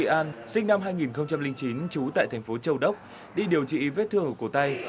trần duy an sinh năm hai nghìn chín trú tại thành phố châu đốc đi điều trị vết thương ở cổ tay